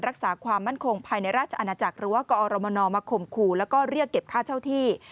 รักษาความมั่นคงภายในราชอาณาจักรหรือว่ากอรมนมาข่มขู่แล้วก็เรียกเก็บค่าเช่าที่